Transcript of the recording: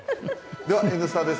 では「Ｎスタ」です。